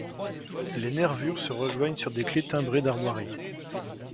Les nervures se rejoignent sur des clés timbrées d’armoiries.